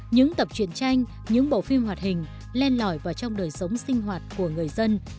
những tập truyện tranh những bộ phim hoạt hình len lỏi vào trong đời sống sinh hoạt của người dân